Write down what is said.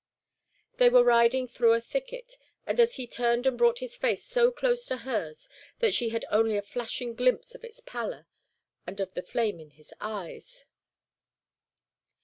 They were riding through a thicket, and he turned and brought his face so close to hers that she had only a flashing glimpse of its pallor and of the flame in his eyes.